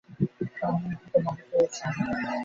তাকে বাগে পেয়েছো।